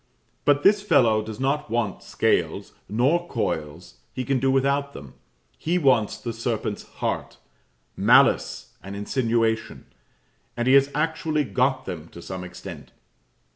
But this fellow does not want scales, nor coils; he can do without them; he wants the serpent's heart malice and insinuation; and he has actually got them to some extent.